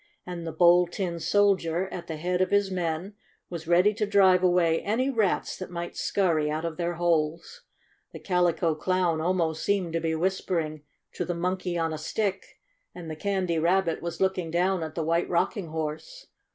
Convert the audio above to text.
And the Bold Tin Soldier, at the head of his men, was ready to drive away any rats that might scurry out of their holes. The Cali co Clown almost seemed to be whispering A HAPPY VISIT 109 to the Monkey on a Stick, and the Candy Rabbit was looking down at the White Rocking Horse.